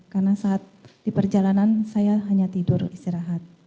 karena saat di perjalanan saya hanya tidur istirahat